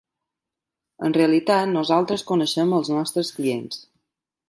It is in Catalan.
En realitat nosaltres coneixem els nostres clients.